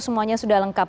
semuanya sudah lengkap